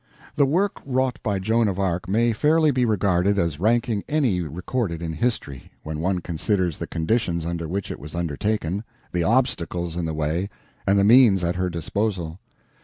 The work wrought by Joan of Arc may fairly be regarded as ranking any recorded in history, when one considers the conditions under which it was undertaken, the obstacles in the way, and the means at her disposal.